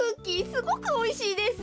すごくおいしいです。